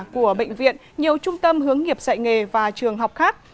của bệnh viện nhiều trung tâm hướng nghiệp dạy nghề và trường học khác